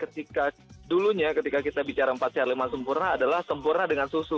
ketika dulunya ketika kita bicara empat cr lima sempurna adalah sempurna dengan susu